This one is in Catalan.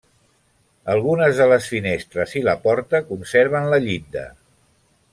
Algunes de les finestres i la porta conserven la llinda.